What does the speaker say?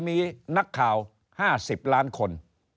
มีนักข่าว๕๐ล้านคน